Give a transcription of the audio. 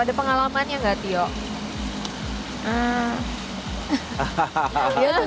ada pengalamannya nggak tio